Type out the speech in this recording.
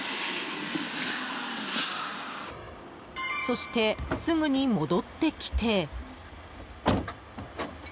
そして、すぐに戻ってきて。